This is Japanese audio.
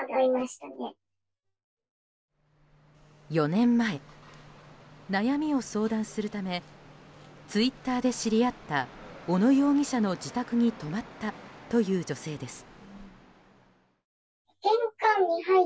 ４年前、悩みを相談するためツイッターで知り合った小野容疑者の自宅に泊まったという女性です。